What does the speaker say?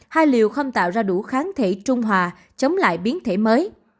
hai liều không tạo ra đủ kháng thể trung hòa chống lại biến thể mới